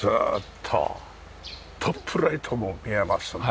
トップライトも見えますね。